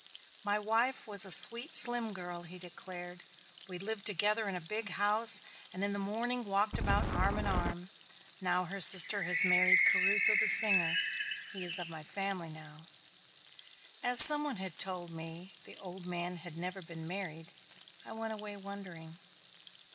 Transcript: "My wife was a sweet slim girl," he declared. "We lived together in a big house and in the morning walked about arm in arm. Now her sister has married Caruso the singer. He is of my family now." As some one had told me the old man had never been married I went away wondering.